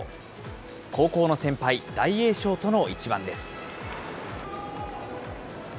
高校の先輩、大栄翔との一番です。